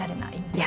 いや。